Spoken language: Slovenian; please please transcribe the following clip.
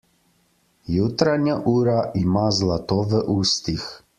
Jutranja ura ima zlato v ustih.